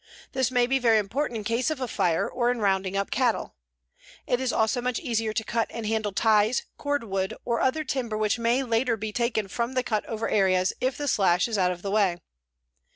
This may be very important in case of a fire or in rounding up cattle. It is also much easier to cut and handle ties, cordwood, or other timber which may later be taken from the cut over areas if the slash is out of the way.